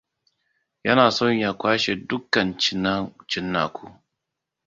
Yana son ya kashe dukkan cinnaku.